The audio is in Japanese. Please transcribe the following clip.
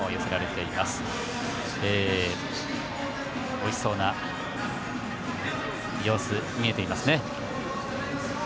おいしそうな様子が見えていますね。